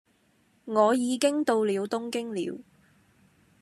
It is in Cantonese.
我已經到了東京了，